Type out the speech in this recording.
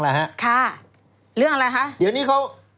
เรื่องอะไรครับ